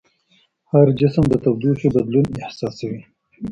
هر جسم د تودوخې بدلون احساسوي.